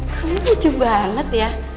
kamu lucu banget ya